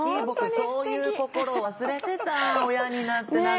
僕そういう心忘れてた親になって。